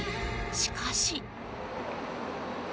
しかし。